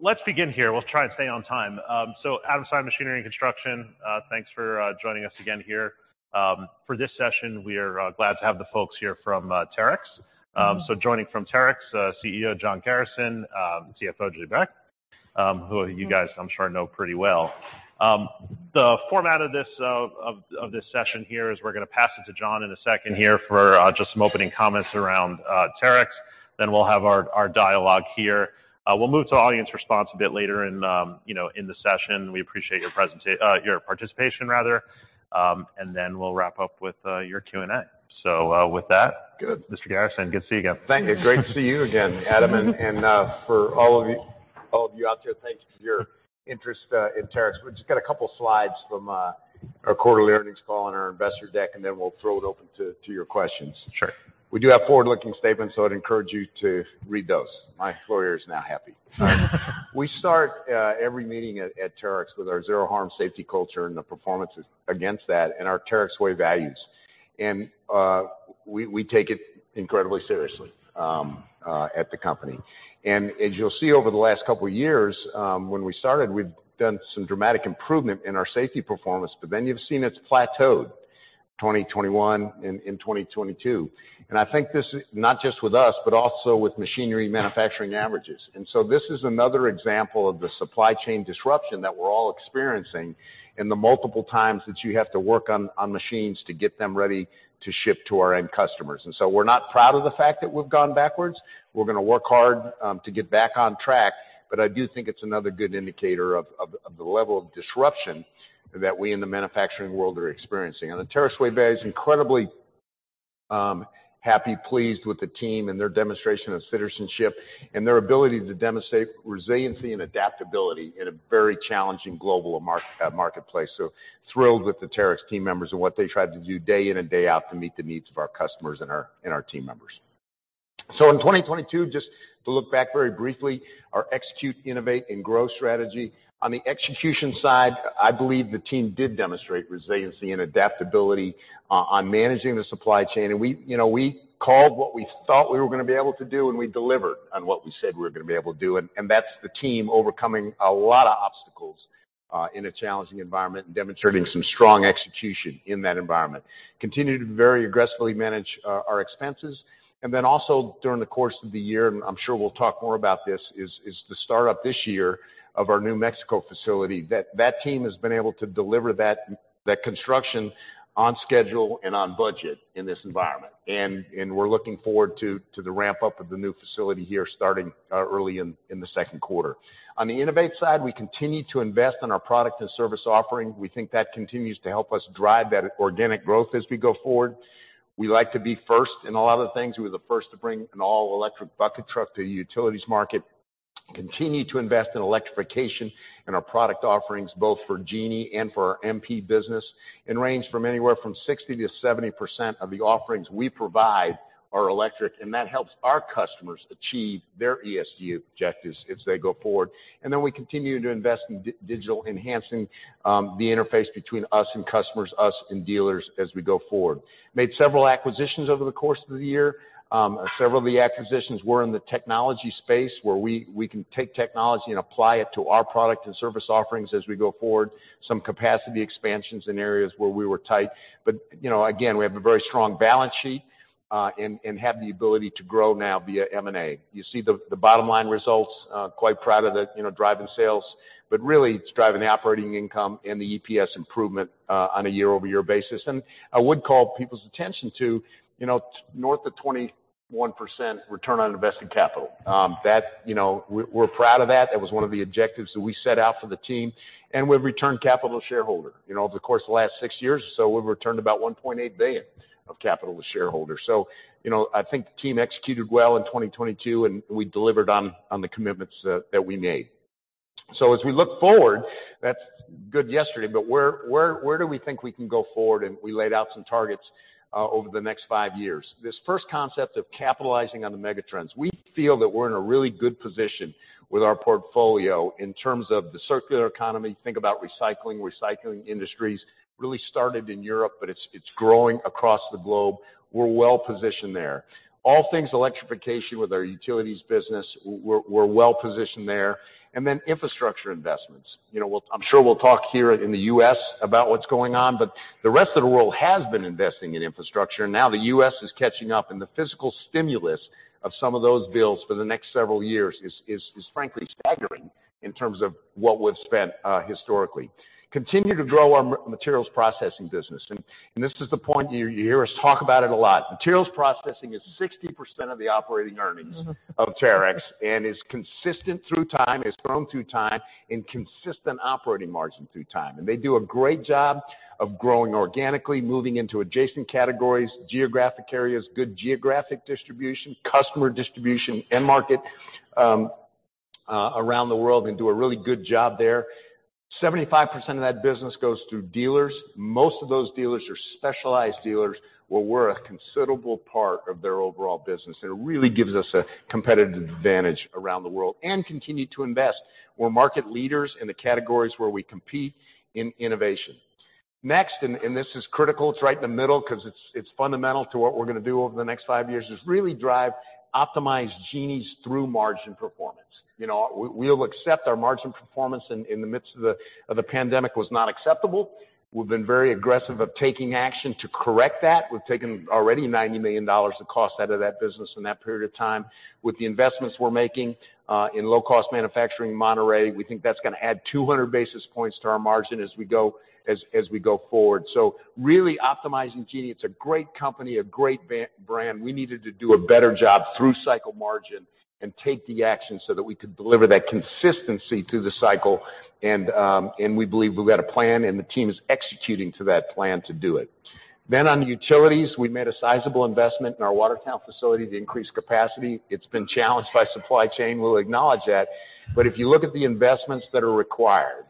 Let's begin here. We'll try and stay on time. Adam Seiden Machinery and Construction, thanks for joining us again here. For this session, we are glad to have the folks here from Terex. Joining from Terex, CEO John Garrison, CFO Julie Beck, who you guys, I'm sure know pretty well. The format of this session here is we're gonna pass it to John in a second here for just some opening comments around Terex. We'll have our dialogue here. We'll move to audience response a bit later in, you know, in the session. We appreciate your participation rather. We'll wrap up with your Q&A. With that. Good. Mr. Garrison, good to see you again. Thank you. Great to see you again, Adam, and for all of you out there, thanks for your interest in Terex. We've just got a couple slides from our quarterly earnings call on our investor deck, and then we'll throw it open to your questions. Sure. We do have forward-looking statements. I'd encourage you to read those. My lawyer is now happy. We start every meeting at Terex with our Zero Harm safety culture and the performances against that and our Terex Way values. We take it incredibly seriously at the company. As you'll see over the last couple years, when we started, we've done some dramatic improvement in our safety performance, you've seen it's plateaued, 2021 and in 2022. I think this is not just with us, but also with machinery manufacturing averages. This is another example of the supply chain disruption that we're all experiencing and the multiple times that you have to work on machines to get them ready to ship to our end customers. We're not proud of the fact that we've gone backwards. We're gonna work hard to get back on track, but I do think it's another good indicator of the level of disruption that we in the manufacturing world are experiencing. On the Terex Way values, incredibly happy, pleased with the team and their demonstration of citizenship and their ability to demonstrate resiliency and adaptability in a very challenging global marketplace. Thrilled with the Terex team members and what they try to do day in and day out to meet the needs of our customers and our team members. In 2022, just to look back very briefly, our execute, innovate, and grow strategy. On the execution side, I believe the team did demonstrate resiliency and adaptability on managing the supply chain. We, you know, we called what we thought we were gonna be able to do, and we delivered on what we said we were gonna be able to do. That's the team overcoming a lot of obstacles in a challenging environment and demonstrating some strong execution in that environment. Continue to very aggressively manage our expenses. Also during the course of the year, and I'm sure we'll talk more about this, is the start up this year of our Monterrey, Mexico facility. That team has been able to deliver that construction on schedule and on budget in this environment. We're looking forward to the ramp-up of the new facility here starting early in the second quarter. On the innovate side, we continue to invest in our product and service offering. We think that continues to help us drive that organic growth as we go forward. We like to be first in a lot of things. We were the first to bring an all-electric bucket truck to the utilities market. Continue to invest in electrification in our product offerings, both for Genie and for our MP business. It range from anywhere from 60%-70% of the offerings we provide are electric, and that helps our customers achieve their ESG objectives as they go forward. We continue to invest in digital, enhancing the interface between us and customers, us and dealers as we go forward. Made several acquisitions over the course of the year. Several of the acquisitions were in the technology space where we can take technology and apply it to our product and service offerings as we go forward. Some capacity expansions in areas where we were tight. You know, again, we have a very strong balance sheet and have the ability to grow now via M&A. You see the bottom line results, quite proud of the, you know, driving sales, but really it's driving the operating income and the EPS improvement on a year-over-year basis. I would call people's attention to, you know, north of 21% return on invested capital. That, you know, we're proud of that. That was one of the objectives that we set out for the team, and we've returned capital to shareholder. You know, over the course of the last six years or so, we've returned about $1.8 billion of capital to shareholders. You know, I think the team executed well in 2022, and we delivered on the commitments that we made. As we look forward, that's good yesterday, but where do we think we can go forward? We laid out some targets over the next five years. This first concept of capitalizing on the megatrends, we feel that we're in a really good position with our portfolio in terms of the circular economy. Think about recycling. Recycling industries really started in Europe, but it's growing across the globe. We're well-positioned there. All things electrification with our utilities business, we're well-positioned there. Then infrastructure investments. You know, I'm sure we'll talk here in the U.S. about what's going on, but the rest of the world has been investing in infrastructure, and now the U.S. is catching up, and the physical stimulus of some of those bills for the next several years is frankly staggering in terms of what we've spent historically. Continue to grow our Materials Processing business. This is the point, you hear us talk about it a lot. Materials Processing is 60% of the operating earnings of Terex and is consistent through time, has grown through time, and consistent operating margin through time. They do a great job of growing organically, moving into adjacent categories, geographic areas, good geographic distribution, customer distribution, end market around the world, and do a really good job there. 75% of that business goes through dealers. Most of those dealers are specialized dealers where we're a considerable part of their overall business, it really gives us a competitive advantage around the world. Continue to invest. We're market leaders in the categories where we compete in innovation. Next, this is critical, it's right in the middle 'cause it's fundamental to what we're gonna do over the next five years, is really drive optimized Genies through margin performance. You know, we'll accept our margin performance in the midst of the pandemic was not acceptable. We've been very aggressive of taking action to correct that. We've taken already $90 million of cost out of that business in that period of time. With the investments we're making, in low-cost manufacturing in Monterrey, we think that's gonna add 200 basis points to our margin as we go forward. Really optimizing Genie. It's a great company, a great brand. We needed to do a better job through cycle margin and take the action so that we could deliver that consistency through the cycle, and we believe we've got a plan, and the team is executing to that plan to do it. On utilities, we made a sizable investment in our Watertown facility to increase capacity. It's been challenged by supply chain. We'll acknowledge that. If you look at the investments that are required,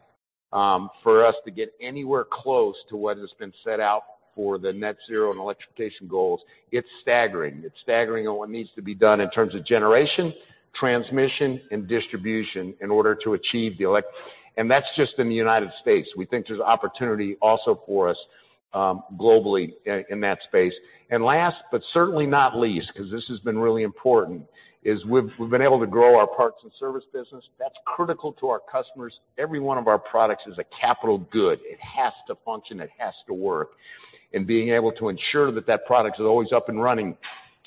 for us to get anywhere close to what has been set out for the net zero and electrification goals, it's staggering. It's staggering on what needs to be done in terms of generation, transmission, and distribution in order to achieve the elec--. That's just in the U.S. We think there's opportunity also for us, globally in that space. Last, but certainly not least, 'cause this has been really important, is we've been able to grow our parts and service business. That's critical to our customers. Every one of our products is a capital good. It has to function. It has to work. Being able to ensure that that product is always up and running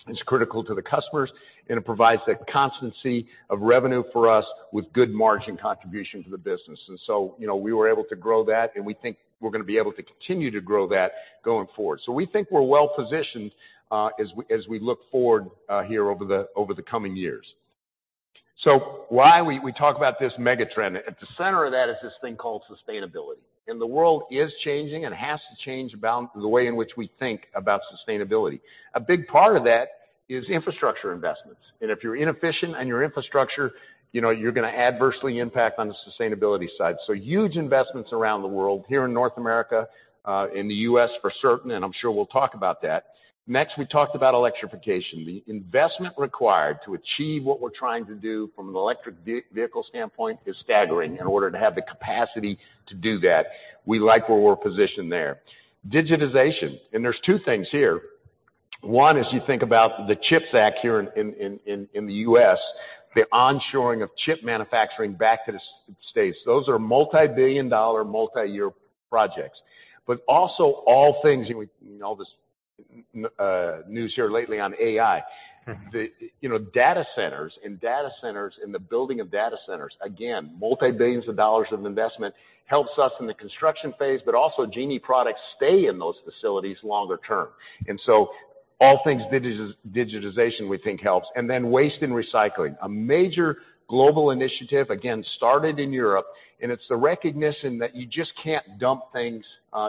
is critical to the customers, and it provides that constancy of revenue for us with good margin contribution to the business. You know, we were able to grow that, and we think we're gonna be able to continue to grow that going forward. We think we're well-positioned as we look forward here over the coming years. Why we talk about this mega-trend. At the center of that is this thing called sustainability. The world is changing and has to change about the way in which we think about sustainability. A big part of that is infrastructure investments. If you're inefficient on your infrastructure, you know, you're gonna adversely impact on the sustainability side. Huge investments around the world. Here in North America, in the U.S. for certain, and I'm sure we'll talk about that. Next, we talked about electrification. The investment required to achieve what we're trying to do from an electric vehicle standpoint is staggering in order to have the capacity to do that. We like where we're positioned there. Digitization. There's two things here. One is you think about the CHIPS Act here in the U.S., the onshoring of chip manufacturing back to the States. Those are multi-billion dollar, multi-year projects. All things, you know, all this news here lately on AI. The, you know, data centers and the building of data centers, again, multi-billions of dollars of investment helps us in the construction phase, also Genie products stay in those facilities longer term. All things digitization we think helps. Waste and recycling. A major global initiative, again, started in Europe, it's the recognition that you just can't dump things,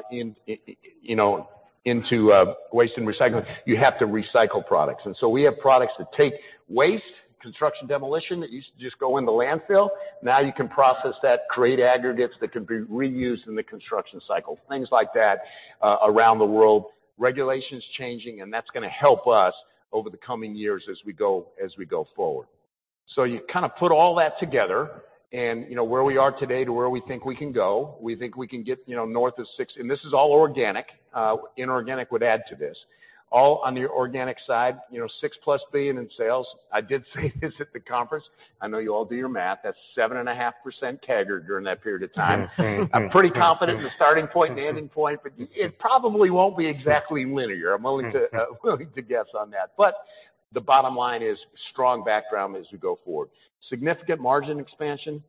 you know, into waste and recycling. You have to recycle products. We have products that take waste, construction demolition, that used to just go in the landfill. Now you can process that, create aggregates that can be reused in the construction cycle, things like that, around the world. Regulation's changing, that's gonna help us over the coming years as we go, as we go forward. You kind of put all that together and, you know, where we are today to where we think we can go. We think we can get, you know, north of six. This is all organic. Inorganic would add to this. All on the organic side, you know, $6+ billion in sales. I did say this at the conference. I know you all do your math. That's 7.5% CAGR during that period of time. I'm pretty confident in the starting point and the ending point, it probably won't be exactly linear. I'm willing to guess on that. The bottom line is strong background as we go forward. Significant margin expansion.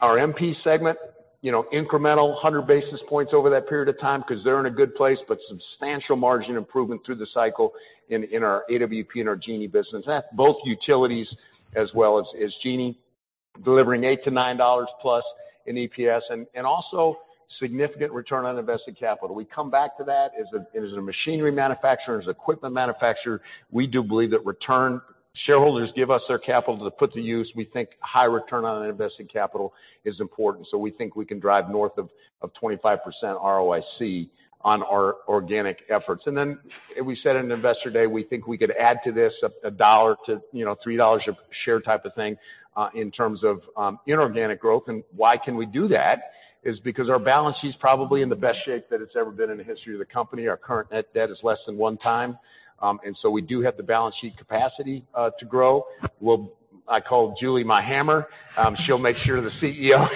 Our MP segment, you know, incremental 100 basis points over that period of time 'cause they're in a good place, but substantial margin improvement through the cycle in our AWP and our Genie business. That's both utilities as well as Genie delivering $8-$9+ in EPS and also significant return on invested capital. We come back to that as a machinery manufacturer and as an equipment manufacturer, we do believe that return. Shareholders give us their capital to put to use. We think high return on an invested capital is important, so we think we can drive north of 25% ROIC on our organic efforts. We said in Investor Day, we think we could add to this $1 to, you know, $3 a share type of thing in terms of inorganic growth. Why can we do that? Is because our balance sheet's probably in the best shape that it's ever been in the history of the company. Our current net debt is less than 1 time. We do have the balance sheet capacity to grow. I call Julie my hammer. She'll make sure the CEO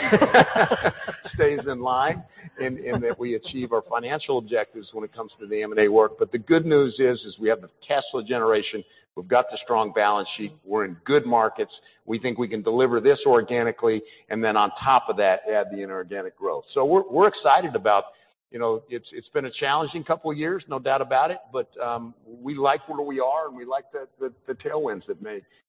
stays in line, and that we achieve our financial objectives when it comes to the M&A work. The good news is we have the next generation. We've got the strong balance sheet. We're in good markets. We think we can deliver this organically, on top of that, add the inorganic growth. We're excited about. You know, it's been a challenging couple of years, no doubt about it, but we like where we are, and we like the tailwinds.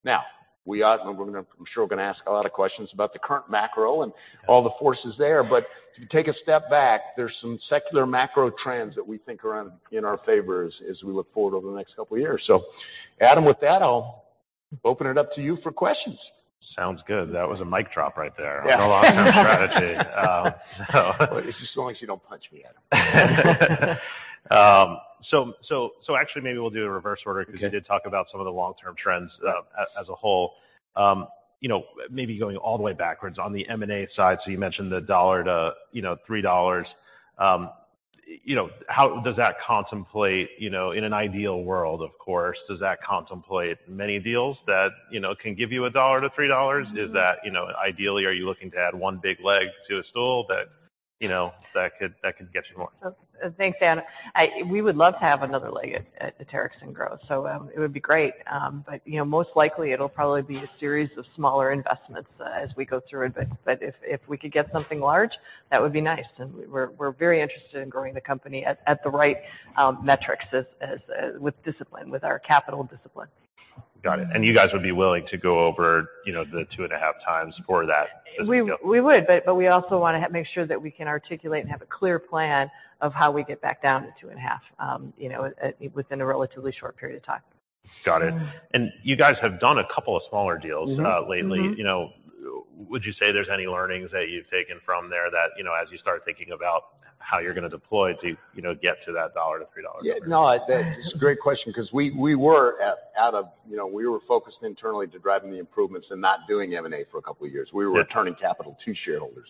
Now, we are, and we're gonna ask a lot of questions about the current macro and all the forces there, but if you take a step back, there's some secular macro trends that we think are in our favor as we look forward over the next couple of years. Adam Seiden, with that, I'll open it up to you for questions. Sounds good. That was a mic drop right there. Yeah. on the long-term strategy. Just as long as you don't punch me, Adam. actually maybe we'll do a reverse order. Okay. Because you did talk about some of the long-term trends, as a whole. You know, maybe going all the way backwards. On the M&A side, so you mentioned the $1 to, you know, $3. You know, how does that contemplate, you know, in an ideal world, of course, does that contemplate many deals that, you know, can give you a $1 to $3? Mm-hmm. Is that, you know, ideally, are you looking to add one big leg to a stool that, you know, that could get you more? Thanks, Adam. We would love to have another leg at Terex and grow, it would be great. You know, most likely it'll probably be a series of smaller investments as we go through. But if we could get something large, that would be nice. We're very interested in growing the company at the right metrics as with discipline, with our capital discipline. Got it. You guys would be willing to go over, you know, the 2.5x for that as we go? We would, but we also wanna make sure that we can articulate and have a clear plan of how we get back down to 2.5, you know, at, within a relatively short period of time. Got it. You guys have done a couple of smaller deals... Mm-hmm. lately. Mm-hmm. You know, would you say there's any learnings that you've taken from there that, you know, as you start thinking about how you're gonna deploy to, you know, get to that $1-$3 number? Yeah, no, that's a great question 'cause we were, you know, we were focused internally to driving the improvements and not doing M&A for a couple of years. Yeah. We were returning capital to shareholders.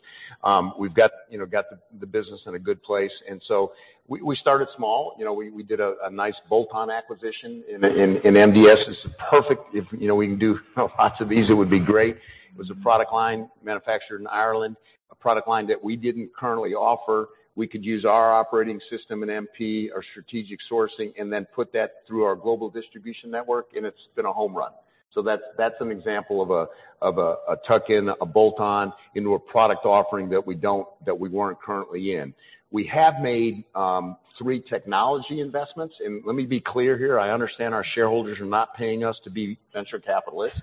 We've got, you know, got the business in a good place, and so we started small. You know, we did a nice bolt-on acquisition in MDS. It's perfect if, you know, we can do, you know, lots of these, it would be great. It was a product line manufactured in Ireland, a product line that we didn't currently offer. We could use our operating system in MP, our strategic sourcing, and then put that through our global distribution network, and it's been a home run. That's an example of a tuck-in, a bolt-on into a product offering that we weren't currently in. We have made three technology investments. Let me be clear here, I understand our shareholders are not paying us to be venture capitalists.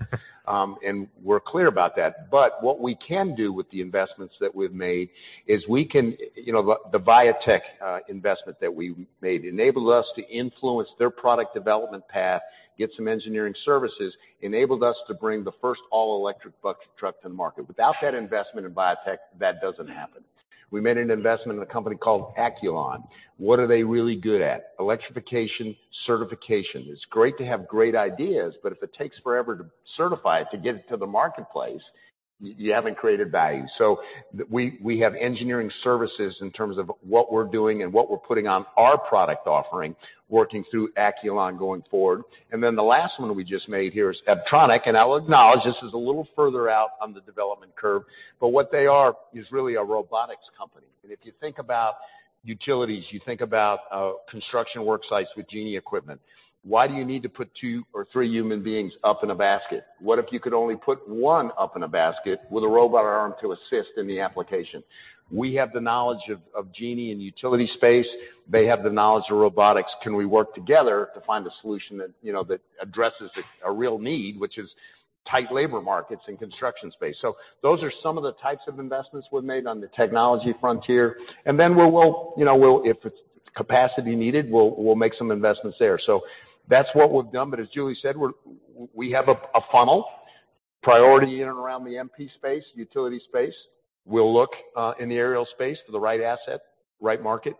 We're clear about that. What we can do with the investments that we've made is we can, you know, the Viatec investment that we made enabled us to influence their product development path, get some engineering services, enabled us to bring the first all-electric bucket truck to the market. Without that investment in Viatec, that doesn't happen. We made an investment in a company called Acculon. What are they really good at? Electrification certification. It's great to have great ideas, but if it takes forever to certify it to get it to the marketplace, you haven't created value. We have engineering services in terms of what we're doing and what we're putting on our product offering, working through Acculon going forward. The last one we just made here is Apptronik, and I'll acknowledge this is a little further out on the development curve, but what they are is really a robotics company. If you think about utilities, you think about construction work sites with Genie equipment. Why do you need to put two or three human beings up in a basket? What if you could only put one up in a basket with a robot arm to assist in the application? We have the knowledge of Genie in utility space. They have the knowledge of robotics. Can we work together to find a solution that, you know, that addresses a real need, which is tight labor markets in construction space? Those are some of the types of investments we've made on the technology frontier. Then we will, you know, if it's capacity needed, we'll make some investments there. That's what we've done. As Julie said, we have a funnel priority in and around the MP space, utility space. We'll look in the aerial space for the right asset, right market,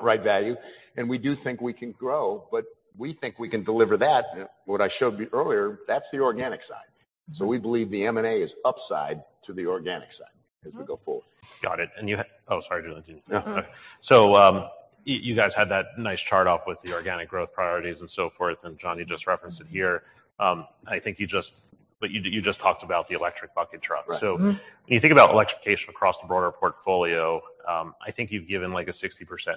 right value. We do think we can grow, but we think we can deliver that. What I showed you earlier, that's the organic side. Mm-hmm. We believe the M&A is upside to the organic side as we go forward. Got it. Oh, sorry, Julie. Continue. No. You guys had that nice chart up with the organic growth priorities and so forth. John, you just referenced it here. You just talked about the electric bucket truck. Right. Mm. When you think about electrification across the broader portfolio, I think you've given like a 60%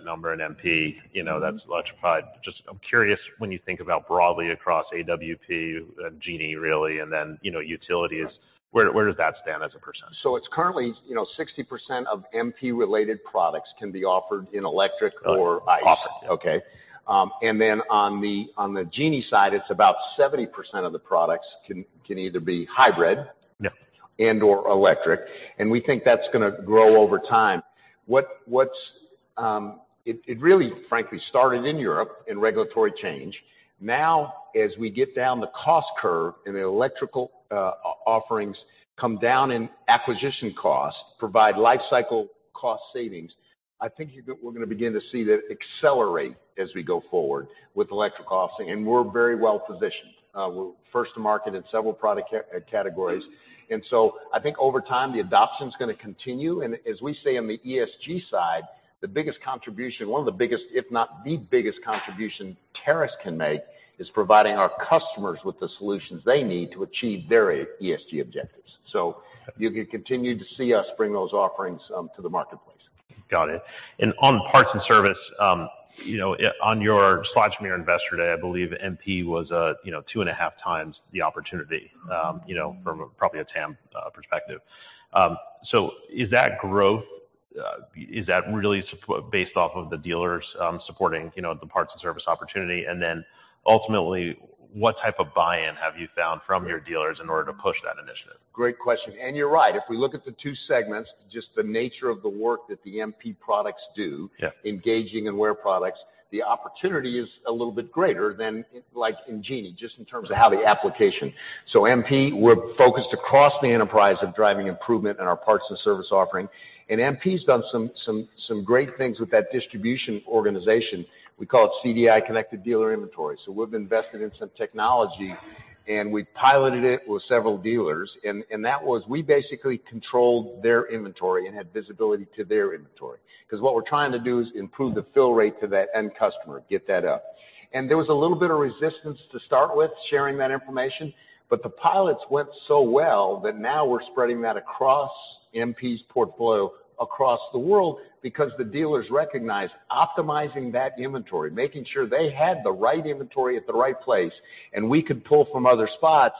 number in MP, you know, that's electrified. Just I'm curious, when you think about broadly across AWP and Genie really, and then, you know, utilities- Right. Where does that stand as a percent? it's currently, you know, 60% of MP-related products can be offered in electric or ICE. Offered. Okay. On the Genie side, it's about 70% of the products can either be hybrid. Yeah. -and/or electric. We think that's gonna grow over time. It really frankly started in Europe in regulatory change. As we get down the cost curve and the electrical offerings come down in acquisition costs, provide life cycle cost savings, I think we're gonna begin to see that accelerate as we go forward with electric offerings. We're very well positioned. We're first to market in several product categories. Mm-hmm. I think over time, the adoption's gonna continue. As we say on the ESG side, the biggest contribution, one of the biggest, if not the biggest contribution Terex can make is providing our customers with the solutions they need to achieve their ESG objectives. You can continue to see us bring those offerings to the marketplace. Got it. On parts and service, you know, on your slides from your Investor Day, I believe MP was, you know, two and a half times the opportunity, you know, from a, probably a TAM perspective. Is that growth, is that really based off of the dealers, supporting, you know, the parts and service opportunity? Then ultimately, what type of buy-in have you found from your dealers in order to push that initiative? Great question. You're right. If we look at the two segments, just the nature of the work that the MP products do. Yeah... engaging and wear products, the opportunity is a little bit greater than, like, in Genie, just in terms of how the application. MP, we're focused across the enterprise of driving improvement in our parts and service offering. MP's done some great things with that distribution organization. We call it CDI, Connected Dealer Inventory. We've invested in some technology, and we piloted it with several dealers. That was we basically controlled their inventory and had visibility to their inventory. 'Cause what we're trying to do is improve the fill rate to that end customer, get that up. There was a little bit of resistance to start with sharing that information, but the pilots went so well that now we're spreading that across MP's portfolio across the world because the dealers recognized optimizing that inventory, making sure they had the right inventory at the right place, and we could pull from other spots.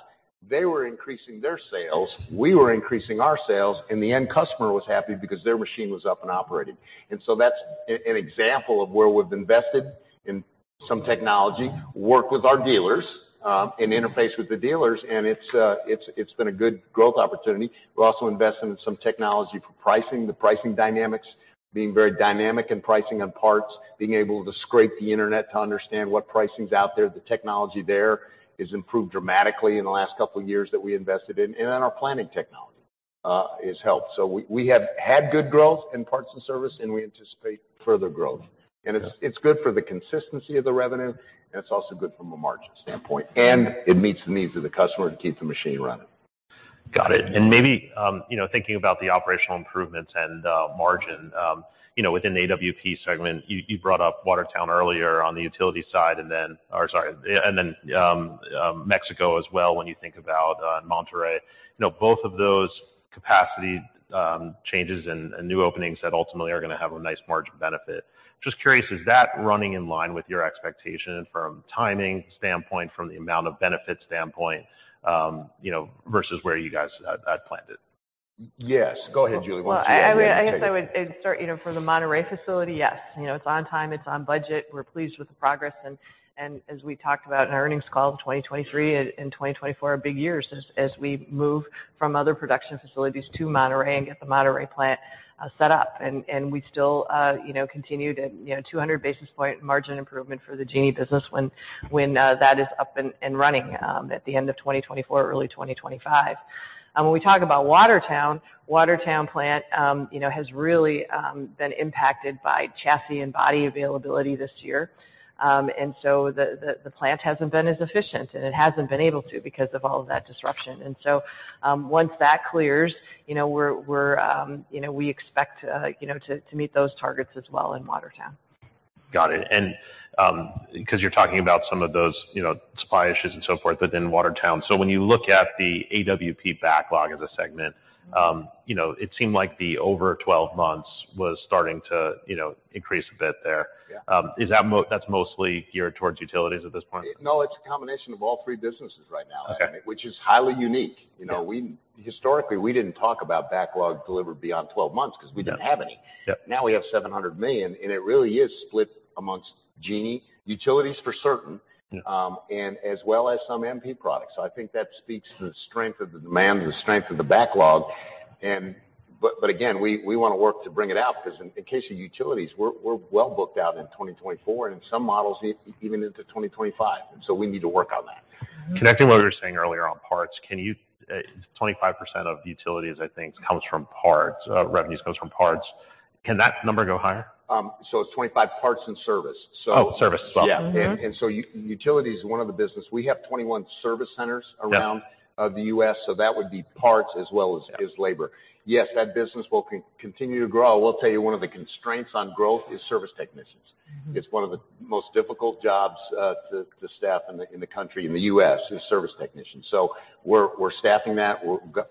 They were increasing their sales, we were increasing our sales, and the end customer was happy because their machine was up and operating. That's an example of where we've invested in some technology, worked with our dealers, and interfaced with the dealers, and it's been a good growth opportunity. We're also investing in some technology for pricing, the pricing dynamics being very dynamic and pricing on parts, being able to scrape the internet to understand what pricing's out there. The technology there has improved dramatically in the last couple years that we invested in. Our planning technology has helped. We have had good growth in parts and service, and we anticipate further growth. Yeah. It's good for the consistency of the revenue, and it's also good from a margin standpoint. It meets the needs of the customer to keep the machine running. Got it. Maybe, you know, thinking about the operational improvements and margin, you know, within the AWP segment, you brought up Watertown earlier on the utility side, Or sorry, and then Mexico as well, when you think about Monterrey. You know, both of those capacity changes and new openings that ultimately are gonna have a nice margin benefit. Just curious, is that running in line with your expectation from timing standpoint, from the amount of benefit standpoint, you know, versus where you guys had planned it? Yes. Go ahead, Julie. Why don't you add the expectation. I mean, I guess I would, it start, you know, for the Monterrey facility, yes. You know, it's on time, it's on budget. We're pleased with the progress and as we talked about in our earnings call, 2023 and 2024 are big years as we move from other production facilities to Monterrey and get the Monterrey plant set up. We still, you know, continue to, you know, 200 basis point margin improvement for the Genie business when that is up and running at the end of 2024, early 2025. When we talk about Watertown plant, you know, has really been impacted by chassis and body availability this year. The, the plant hasn't been as efficient, and it hasn't been able to because of all of that disruption. Once that clears, you know, we're, you know, we expect, you know, to meet those targets as well in Watertown. Got it. because you're talking about some of those, you know, supply issues and so forth within Watertown. when you look at the AWP backlog as a segment. Mm-hmm... you know, it seemed like the over 12 months was starting to, you know, increase a bit there. Yeah. Is that that's mostly geared towards utilities at this point? No, it's a combination of all three businesses right now. Okay. Which is highly unique. Yeah. You know, Historically, we didn't talk about backlog delivered beyond 12 months 'cause we didn't have any. Yeah. Now we have $700 million, and it really is split amongst Genie, utilities for certain-. Yeah as well as some MP products. I think that speaks to the strength of the demand, the strength of the backlog. Again, we wanna work to bring it out because in the case of utilities, we're well booked out in 2024, and in some models even into 2025. We need to work on that. Connecting what we were saying earlier on parts, can you, 25% of utilities, I think, comes from parts, revenues comes from parts. Can that number go higher? it's 25% parts and service. Oh, service as well. Yeah. Mm-hmm. Utilities is one of the business. We have 21 service centers. Yeah... the U.S., so that would be parts as well as labor. Yes, that business will continue to grow. I will tell you one of the constraints on growth is service technicians. Mm-hmm. It's one of the most difficult jobs to staff in the country, in the U.S., is service technicians. We're staffing that.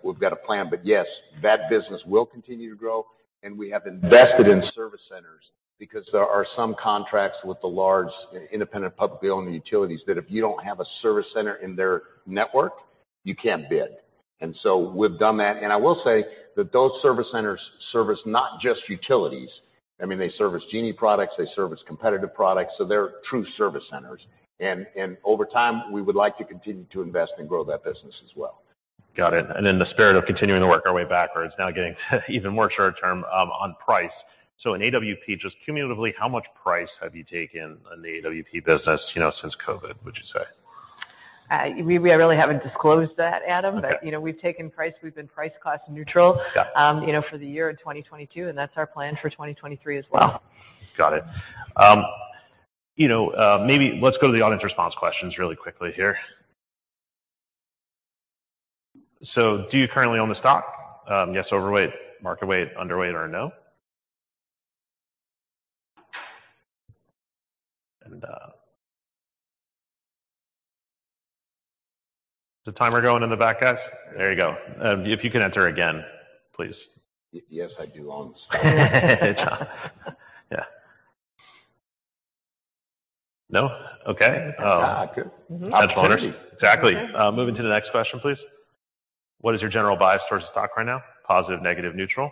We've got a plan. Yes, that business will continue to grow, and we have invested in service centers because there are some contracts with the large independent publicly owned utilities that if you don't have a service center in their network, you can't bid. We've done that. I will say that those service centers service not just utilities. I mean, they service Genie products, they service competitive products, so they're true service centers. Over time, we would like to continue to invest and grow that business as well. Got it. In the spirit of continuing to work our way backwards, now getting even more short term, on price. In AWP, just cumulatively, how much price have you taken in the AWP business, you know, since COVID, would you say? We really haven't disclosed that, Adam. Okay. You know, we've taken price, we've been price-cost neutral. Got it.... you know, for the year in 2022, and that's our plan for 2023 as well. Wow. Got it. You know, maybe let's go to the audience response questions really quickly here. Do you currently own the stock? Yes, overweight, market weight, underweight, or no? Is the timer going in the back, guys? There you go. If you can enter again, please. Yes, I do own the stock. No? Okay. Good. Edge owners. Exactly. moving to the next question, please. What is your general bias towards the stock right now? Positive, negative, neutral.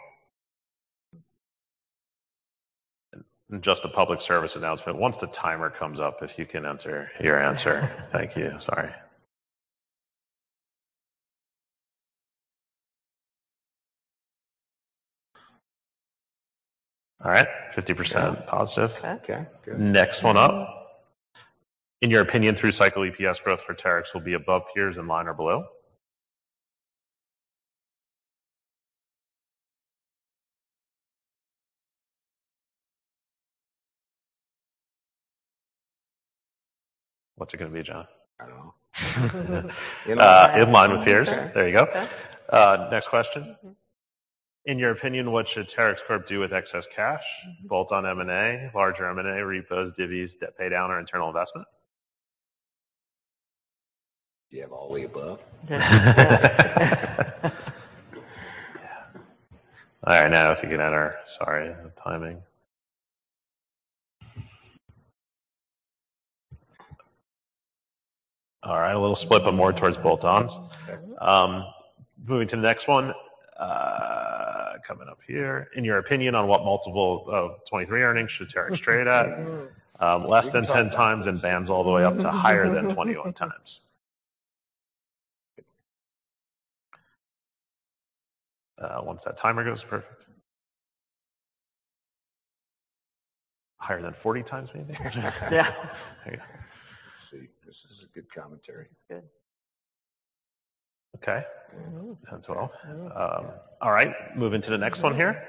Just a public service announcement. Once the timer comes up, if you can enter your answer. Thank you. Sorry. All right. 50% positive. Okay. Good. Next one up. In your opinion, through cycle EPS growth for Terex will be above peers, in line, or below. What's it gonna be, John? I don't know. In line with peers. There you go. Okay. Next question. Mm-hmm. In your opinion, what should Terex Corporation do with excess cash? Bolt on M&A, larger M&A, repos, divvies, debt pay down, or internal investment. Do you have all the way above? Yeah. All right, now if you could enter... Sorry, the timing. All right, a little split, but more towards bolt ons. Moving to the next one. Coming up here. In your opinion, on what multiple of '23 earnings should Terex trade at? Less than 10x, and bands all the way up to higher than 21 times. Once that timer goes. Perfect. Higher than 40x, maybe. Yeah. There you go. See, this is a good commentary. Good. Okay. Mm-hmm. That's all. All right. Moving to the next one here.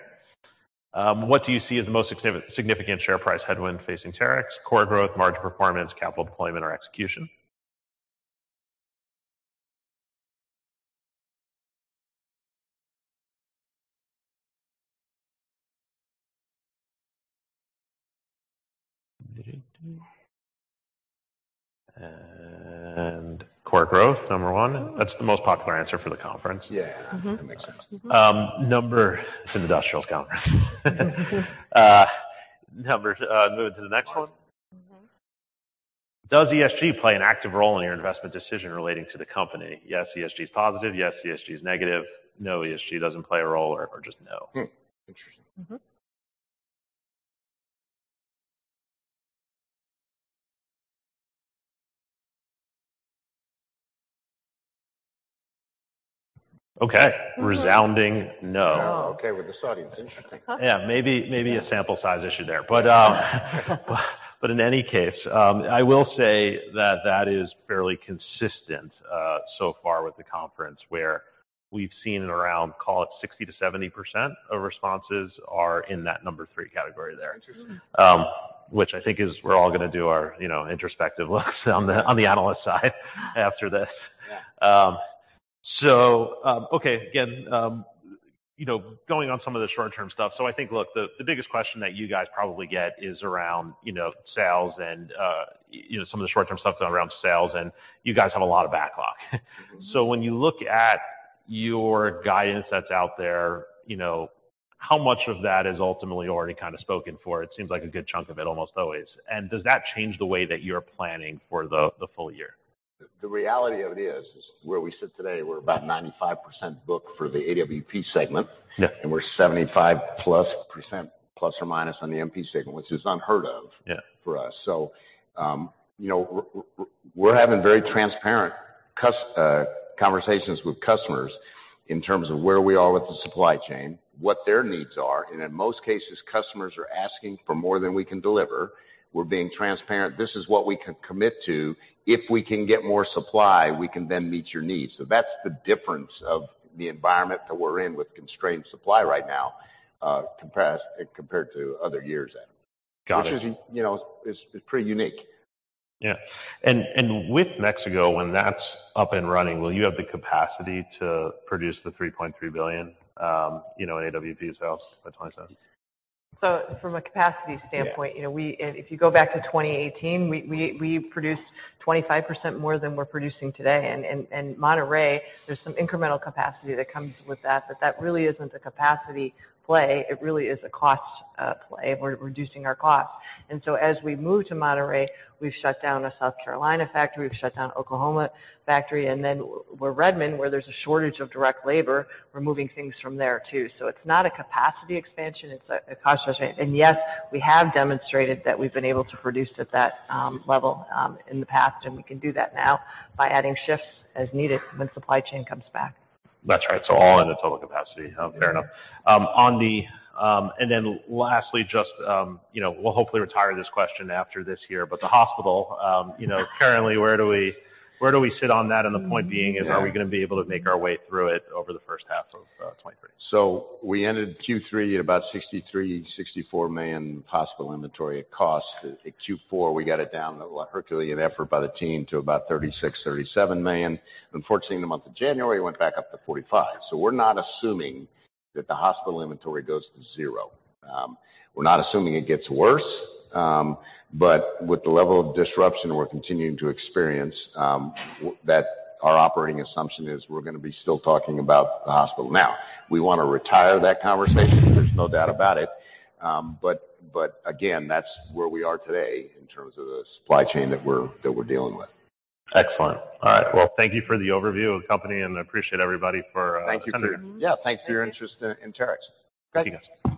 What do you see as the most significant share price headwind facing Terex? Core growth, margin performance, capital deployment, or execution? Core growth, number one. That's the most popular answer for the conference. Yeah. Mm-hmm. That makes sense. It's an industrials conference. Moving to the next one. Mm-hmm. Does ESG play an active role in your investment decision relating to the company? Yes, ESG is positive. Yes, ESG is negative. No, ESG doesn't play a role, or just no. Hmm, interesting. Mm-hmm. Okay. Resounding no. No. Okay, with this audience. Interesting. Yeah, maybe a sample size issue there. In any case, I will say that is fairly consistent so far with the conference, where we've seen around, call it 60%-70% of responses are in that number three category there. Interesting. Which I think is we're all gonna do our, you know, introspective looks on the, on the analyst side after this. Yeah. Okay. Again, you know, going on some of the short-term stuff. I think, look, the biggest question that you guys probably get is around, you know, sales and, you know, some of the short-term stuff around sales, and you guys have a lot of backlog. Mm-hmm. When you look at your guidance that's out there, you know, how much of that is ultimately already kind of spoken for? It seems like a good chunk of it almost always. Does that change the way that you're planning for the full year? The reality of it is where we sit today, we're about 95% booked for the AWP segment. Yeah. We're 75% ± on the MP segment, which is unheard of. Yeah... for us. You know, we're having very transparent conversations with customers in terms of where we are with the supply chain, what their needs are, and in most cases, customers are asking for more than we can deliver. We're being transparent. This is what we can commit to. If we can get more supply, we can then meet your needs. That's the difference of the environment that we're in with constrained supply right now, compressed compared to other years, Adam. Got it. Which is, you know, is pretty unique. Yeah. with Mexico, when that's up and running, will you have the capacity to produce the $3.3 billion, you know, in AWP sales by 2027? From a capacity standpoint. Yeah you know, if you go back to 2018, we produced 25% more than we're producing today. Monterrey, there's some incremental capacity that comes with that, but that really isn't a capacity play. It really is a cost play. We're reducing our costs. As we move to Monterrey, we've shut down a South Carolina factory, we've shut down Oklahoma factory, and then we're Redmond, where there's a shortage of direct labor. We're moving things from there too. It's not a capacity expansion, it's a cost expansion. Yes, we have demonstrated that we've been able to produce at that level in the past, and we can do that now by adding shifts as needed when supply chain comes back. That's right. all in at total capacity. fair enough. lastly, just, you know, we'll hopefully retire this question after this year. the hostel, you know, currently, where do we, where do we sit on that? The point being is- Yeah. Are we gonna be able to make our way through it over the first half of 2023? We ended Q3 at about $63 million-$64 million hostile inventory. In Q4, we got it down to a herculean effort by the team to about $36 million-$37 million. Unfortunately, in the month of January, it went back up to $45 million. We're not assuming that the hostile inventory goes to zero. We're not assuming it gets worse. But with the level of disruption we're continuing to experience, that our operating assumption is we're gonna be still talking about the hostel. Now, we wanna retire that conversation, there's no doubt about it. But again, that's where we are today in terms of the supply chain that we're, that we're dealing with. Excellent. All right. Well, thank you for the overview of the company. I appreciate everybody for. Thank you. Attending. Yeah. Thank you for your interest in Terex. Thank you, guys.